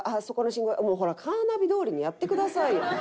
そこの信号」「もうほらカーナビどおりにやってくださいよ」